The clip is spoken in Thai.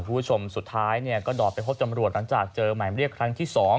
ผู้ชมสุดท้ายก็รอดไปพบจำรวจหลังจากเจอไหมรีบคลั้นที่๒